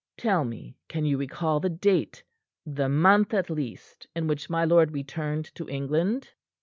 Tell me can you recall the date, the month at least, in which my lord returned to England?"